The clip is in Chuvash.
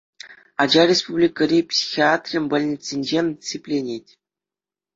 Ача республикӑри психиатри больницинче сипленет.